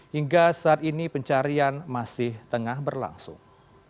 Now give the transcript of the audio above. hingga saat ini pencarian masih tengah berlangsung